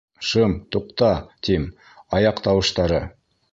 — Шым, туҡта, тим, аяҡ тауыштары...